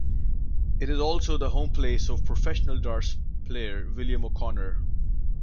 It is also the home place of professional darts player William O'Connor.